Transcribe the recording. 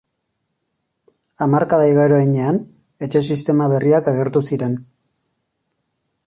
Hamarkada igaro heinean, etxe-sistema berriak agertu ziren.